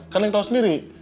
kan neng tau sendiri